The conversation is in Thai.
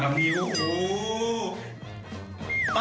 จับได้นะครับ